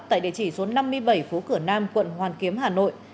tại địa chỉ số năm mươi bảy phố cửa nam quận hoàn kiếm hà nội